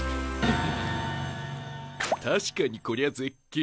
確かにこりゃ絶景。